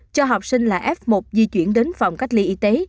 cho học sinh là f một di chuyển đến phòng cách ly y tế